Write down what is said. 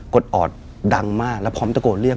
ดออดดังมากแล้วพร้อมตะโกนเรียก